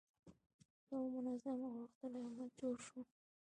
یو منظم او غښتلی امت جوړ شو.